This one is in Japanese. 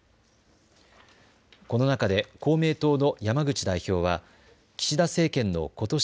この中で公明党の山口代表は岸田政権のことし